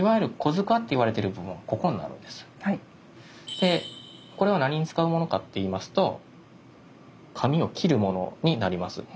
でこれは何に使うものかっていいますと紙を切るものになります。